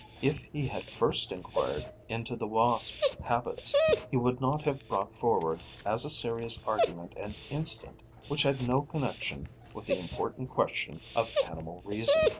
If he had first enquired into the Wasp's habits, he would not have brought forward as a serious argument an incident which had no connection with the important question of animal reason.